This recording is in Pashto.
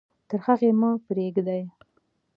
تر هغې مه پرېږده.